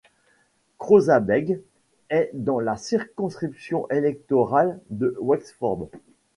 Crossabeg est dans la circonscription électorale de Wexford.